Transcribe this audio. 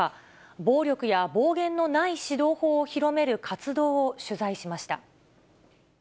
暴力や暴言のない指導法を広める活動を取材しました。